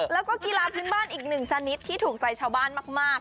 แล้วก็กีฬาพื้นบ้านอีกหนึ่งชนิดที่ถูกใจชาวบ้านมาก